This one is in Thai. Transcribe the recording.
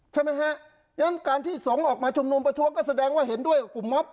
ใช่ไหมฮะฉะนั้นการที่สงฆ์ออกมาชุมนุมประท้วงก็แสดงว่าเห็นด้วยกับกลุ่มมอบ